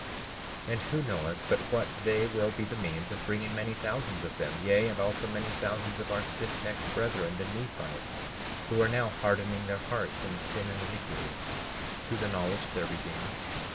37:10 And who knoweth but what they will be the means of bringing many thousands of them, yea, and also many thousands of our stiffnecked brethren, the Nephites, who are now hardening their hearts in sin and iniquities, to the knowledge of their Redeemer?